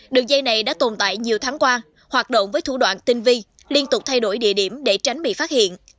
đường dây này đã tồn tại nhiều tháng qua hoạt động với thủ đoạn tinh vi liên tục thay đổi địa điểm để tránh bị phát hiện